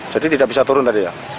jadi tidak bisa turun tadi ya